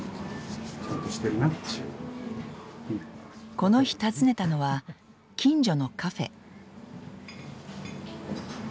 この日訪ねたのは近所のカフェ。